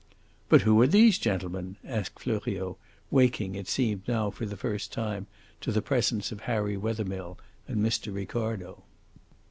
"But who are these gentlemen?" asked Fleuriot, waking, it seemed, now for the first time to the presence of Harry Wethermill and Mr. Ricardo.